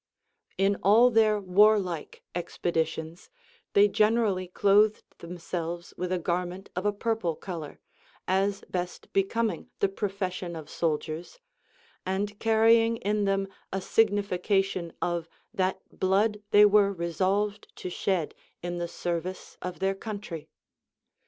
24. In all t,heir warlike expeditions they generally clothed themselves Λvith a garment of a purple color, as best becoming the profession of soldiers, and carrying in them a signification of that blood they were resolved to shed in the service of their country.